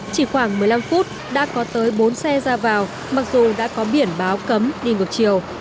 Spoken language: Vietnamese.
chỉ khoảng một mươi năm phút đã có tới bốn xe ra vào mặc dù đã có biển báo cấm đi ngược chiều